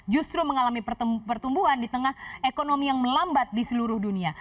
justru mengalami pertumbuhan di tengah ekonomi yang melambat di seluruh dunia